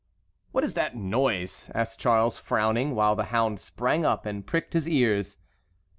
"What is that noise?" asked Charles, frowning, while the hound sprang up and pricked his ears.